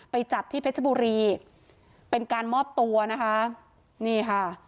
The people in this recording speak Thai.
ไปจับที่เฮลิคอปเตอร์มอบตัวนะคะ